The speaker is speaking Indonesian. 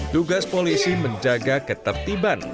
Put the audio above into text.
dugas polisi menjaga ketertiban